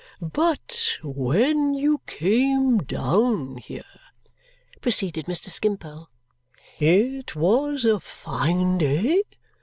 "But when you came down here," proceeded Mr. Skimpole, "it was a fine day.